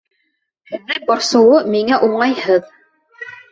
Һеҙҙе борсоуы миңә уңайһыҙ.